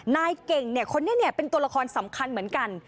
นายเก่งเนี่ยคนนี้เป็นตัวละครสำคัญเหมือนกัน